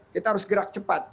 kita harus gerak cepat